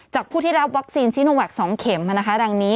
ผู้ที่รับวัคซีนซีโนแวค๒เข็มดังนี้